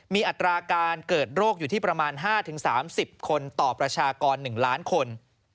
มีอัตราการเกิดโรคอยู่ที่ประมาณ๕๓๐คนต่อประชากร๑ล้านคน